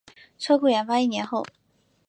车库研发一年后